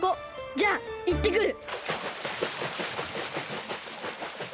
じゃいってくる！